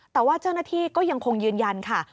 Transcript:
แต่ว่าเจ้าหน้าที่ก็ยังคงยืนยันค่ะ